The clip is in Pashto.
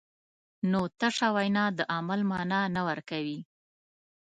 نو تشه وینا د عمل مانا نه ورکوي.